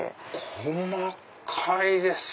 細かいです。